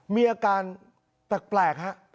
มีอาการแปลกฮะ